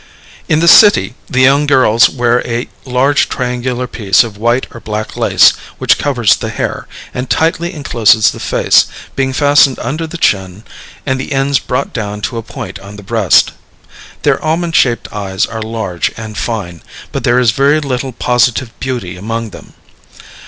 In the city the young girls wear a large triangular piece of white or black lace, which covers the hair, and tightly encloses the face, being fastened under the chin and the ends brought down to a point on the breast. Their almond shaped eyes are large and fine, but there is very little positive beauty among them.